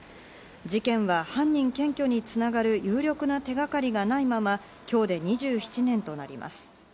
事件は犯人検挙に繋がる有力な手がかりがないまま、今日で２７年となります。